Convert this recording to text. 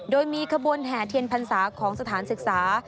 โดยมีขบวนแห่เทียนพันธ์ศาสตร์ของสถานศึกษา